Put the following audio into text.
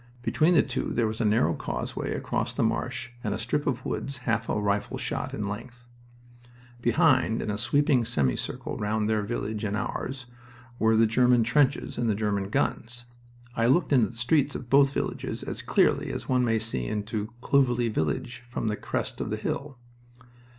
Between the two there was a narrow causeway across the marsh and a strip of woods half a rifle shot in length. Behind, in a sweeping semicircle round their village and ours, were the German trenches and the German guns. I looked into the streets of both villages as clearly as one may see into Clovelly village from the crest of the hill.